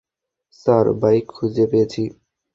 Sir, bike খুঁজে পেয়েছি।